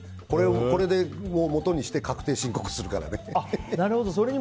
これをもとにして確定申告するからね。